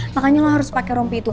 makanya lo harus pakai rompi itu